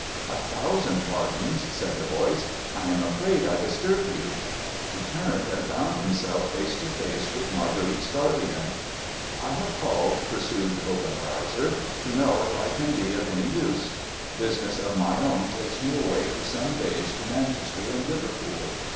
' A thousand pardons,' said the voice ;' I am afraid I disturb you.' He turned, and found himself face to face with Marguerite's guardian. ' I have called,' pursued Obenreizer, ' to know if I can be of any use. Business of my own takes me aw^ay for some days to Man chester and Liverpool.